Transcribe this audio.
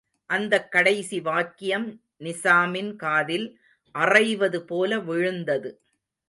அந்தக் கடைசி வாக்கியம் நிசாமின் காதில் அறைவதுபோல விழுந்தது.